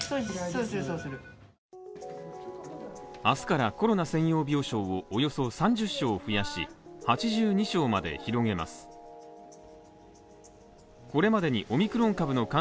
明日からコロナ専用病床を、およそ３０床増やし、８２床まで広げます。